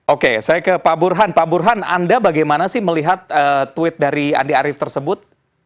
oke saya ke pak burhan pak burhan anda bagaimana sih melihat tweet dari andi arief tersebut